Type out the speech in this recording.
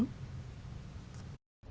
các nghị sách